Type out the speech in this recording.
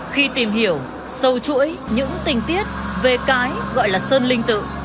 khi tìm hiểu sâu chuỗi những tình tiết về cái gọi là sơn linh tự